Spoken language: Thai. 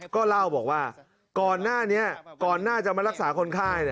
ก็เล่าบอกว่าก่อนหน้าจะมารักษาคนไข้